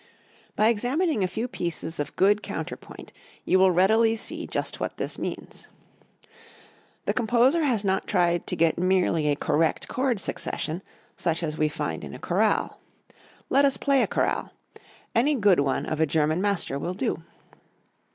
By examining a few pieces of good counterpoint you will readily see just what this means. The composer has not tried to get merely a correct chord succession, such as we find in a choral. Let us play a choral; any good one of a German master will do.